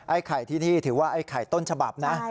ไข่ที่นี่ถือว่าไอ้ไข่ต้นฉบับนะ